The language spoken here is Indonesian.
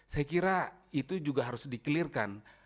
saya kira itu juga harus dikelirkan